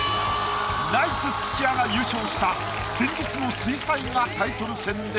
ナイツ土屋が優勝した先日の水彩画タイトル戦で。